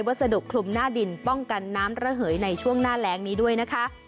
สะดุคลุมหน้าดินป้องกันน้ำระเหยในช่วงหน้าแรงนี้ด้วยนะคะ